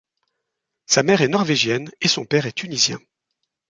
Sa mère est norvégienne et son père est tunisien.